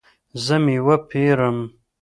زه میوه پیرم